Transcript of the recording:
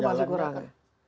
itu masih kurang ya